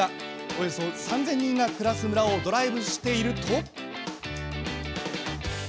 およそ３０００人が暮らす村をドライブしていると。